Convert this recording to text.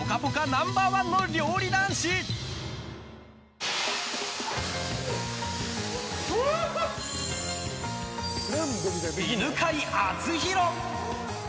ナンバー１の料理男子、犬飼貴丈。